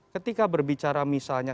ketika berbicara misalnya